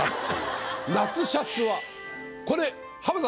「夏シャツ」はこれ。